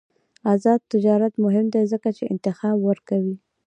آزاد تجارت مهم دی ځکه چې انتخاب ورکوي.